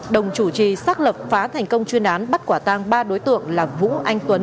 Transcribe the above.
đồng chủ trì xác lập phá thành công chuyên án bắt quả tang ba đối tượng là vũ anh tuấn